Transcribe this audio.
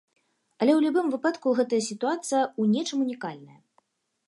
Але ў любым выпадку гэта сітуацыя ў нечым унікальная.